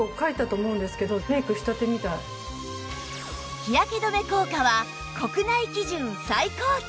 日焼け止め効果は国内基準最高値！